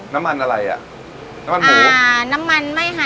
น้ำมันอะไรอ่ะน้ำมันหมู